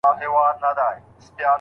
قافله والا يوسف عليه السلام مصر ته وړي.